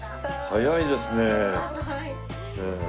早いですね。